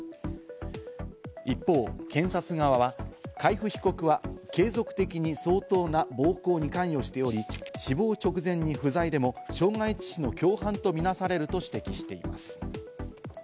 一方、検察側は海部被告は継続的に、相当な暴行に関与しており、死亡直前に不在でも傷害致死の共犯とみなされると指摘しています。